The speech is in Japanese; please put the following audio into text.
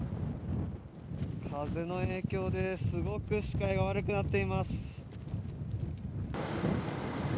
風の影響で、すごく視界が悪くなっています。